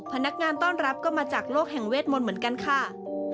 พนักงานต้อนรับก็มาจากโลกแห่งเวทมนต์เหมือนกันค่ะ